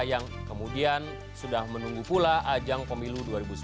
yang kemudian sudah menunggu pula ajang pemilu dua ribu sembilan belas